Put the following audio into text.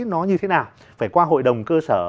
nó như thế nào phải qua hội đồng cơ sở